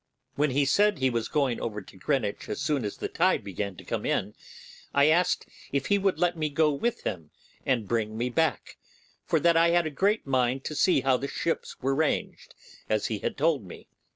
When he said he was going over to Greenwich as soon as the tide began to come in, I asked if he would let me go with him and bring me back, for that I had a great mind to see how the ships were ranged, as he had told me.